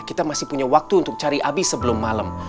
kita masih punya waktu untuk cari abis sebelum malam